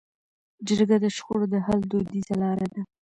جرګه د شخړو د حل دودیزه لار ده.